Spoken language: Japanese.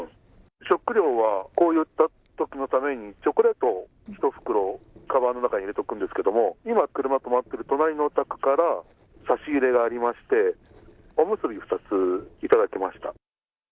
食料はこういったときのためにチョコレートを１袋、かばんの中に入れておくんですけど、今、車が止まっている隣のお宅から差し入れがありまして、おむすび２つ、頂きました。